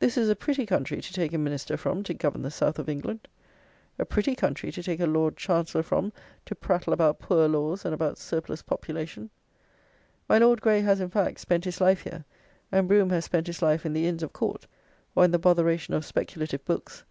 This is a pretty country to take a minister from to govern the South of England! A pretty country to take a Lord Chancellor from to prattle about Poor Laws and about surplus population! My Lord Grey has, in fact, spent his life here, and Brougham has spent his life in the Inns of Court, or in the botheration of speculative books.